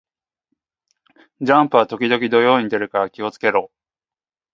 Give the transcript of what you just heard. ジャンプは時々土曜に出るから気を付けろ